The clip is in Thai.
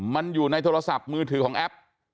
มันอยู่ในโทรศัพท์มือถือของแอป